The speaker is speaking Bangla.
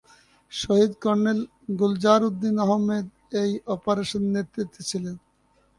শহীদ কর্নেল গুলজার উদ্দিন আহমেদ এই অপারেশনের নেতৃত্বে ছিলেন।